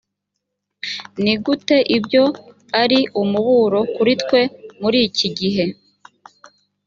ni gute ibyo ari umuburo kuri twe muri iki gihe